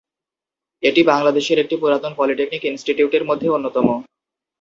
এটি বাংলাদেশের একটি পুরাতন পলিটেকনিক ইনস্টিটিউটের মধ্যে অন্যতম।